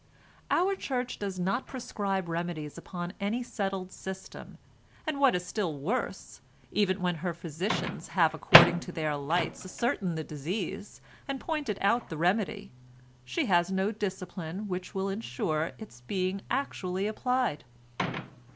Our Church does not prescribe remedies upon any settled system, and, what is still worse, even when her physicians have according to their lights ascertained the disease and pointed out the remedy, she has no discipline which will ensure its being actually applied.